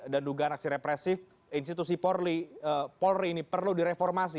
dan dugaan aksi represif institusi polri ini perlu direformasi